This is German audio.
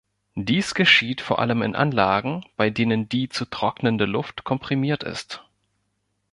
Dies geschieht vor allem in Anlagen, bei denen die zu trocknende Luft komprimiert ist.